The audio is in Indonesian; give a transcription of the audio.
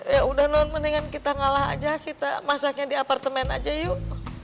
ya udah non mendingan kita ngalah aja kita masaknya di apartemen aja yuk